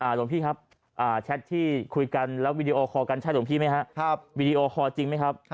หลวงพี่ครับแชทที่คุยกันแล้ววีดีโอคอลกันใช่หลวงพี่ไหมครับวีดีโอคอลจริงไหมครับ